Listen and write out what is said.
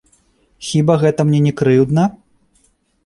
Хіба гэта мне не крыўдна?